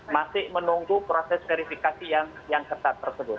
masih menunggu proses verifikasi yang ketat tersebut